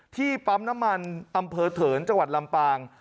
ปั๊มน้ำมันอำเภอเถินจังหวัดลำปาง